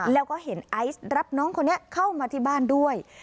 แล้วก็เห็นไอซ์รับน้องคนนี้เข้ามาที่บ้านด้วย